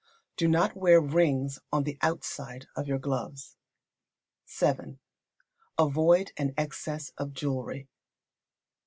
Do not wear rings on the outside of your gloves. vii. Avoid an excess of jewellery.